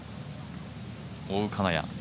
追う金谷。